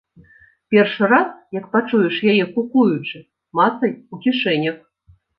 Першы раз, як пачуеш яе кукуючы, мацай у кішэнях.